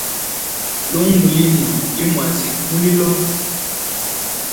Lungu lino li mwaziga mulilo.